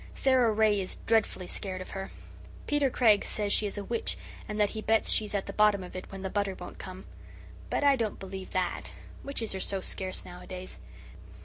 Sara Ray is dreadfully scared of her. Peter Craig says she is a witch and that he bets she's at the bottom of it when the butter won't come. But I don't believe THAT. Witches are so scarce nowadays.